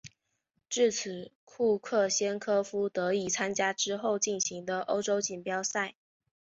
至此库克先科夫得以参加之后进行的欧洲锦标赛。